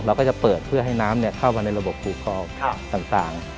เราก็จะเปิดเพื่อให้น้ำเข้ามาในระบบภูเขาต่าง